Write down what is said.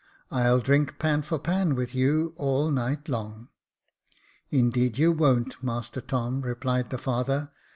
I'll drink pan for pan with you, all night long." " Indeed you won't, mister Tom," replied the father.